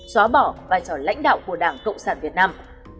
xóa bỏ vai trò lãnh đạo của đảng cộng sản việt nam